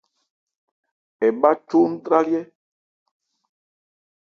Ɛ bhá chó ntrályɛ́.